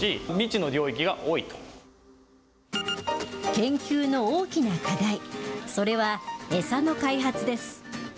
研究の大きな課題、それは餌の開発です。